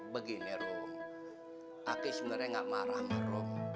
begini rum aki sebenernya gak marah sama rum